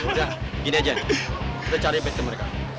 udah gini aja kita cari pet ke mereka